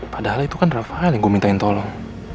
padahal itu kan rafael yang gue mintain tolong